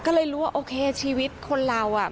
ก็เลยรู้ว่าโอเคชีวิตคนเราอ่ะ